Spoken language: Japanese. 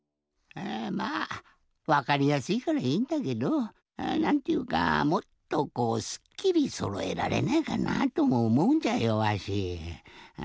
まあわかりやすいからいいんだけどなんていうかもっとこうすっきりそろえられないかなぁともおもうんじゃよわし。